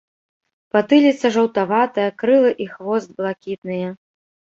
Патыліца жаўтаватая, крылы і хвост блакітныя.